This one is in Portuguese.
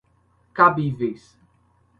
cabíveis